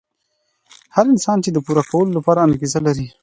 هر انسان يې د پوره کولو لپاره انګېزه لري.